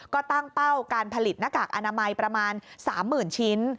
ก็ตั้งเป้าการผลิตหน้ากากอนามัยประมาณ๓๐๐๐ชิ้น